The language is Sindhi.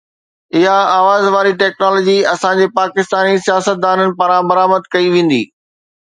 اها آواز واري ٽيڪنالاجي اسان جي پاڪستاني سياستدانن پاران برآمد ڪئي ويندي